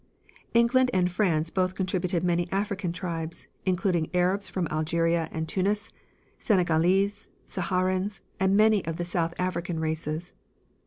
England and France both contributed many African tribes, including Arabs from Algeria and Tunis, Senegalese, Saharans, and many of the South African races.